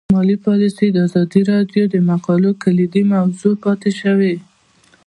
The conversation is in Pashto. مالي پالیسي د ازادي راډیو د مقالو کلیدي موضوع پاتې شوی.